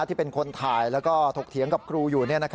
ที่เป็นคนถ่ายแล้วก็ถกเถียงกับครูอยู่